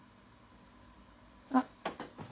あっ。